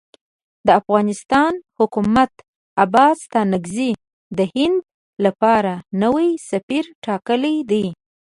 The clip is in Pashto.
د افغانستان حکومت عباس ستانکزی د هند لپاره نوی سفیر ټاکلی دی.